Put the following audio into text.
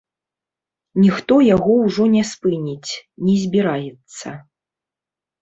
Ніхто яго ўжо не спыніць не збіраецца.